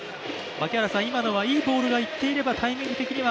今のはいいボールがいっていれば、タイミング的には？